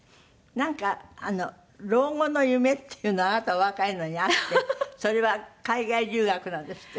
なんか老後の夢っていうのあなたお若いのにあってそれは海外留学なんですって？